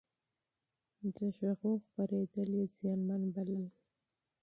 د اوازو خپرول يې زيانمن بلل.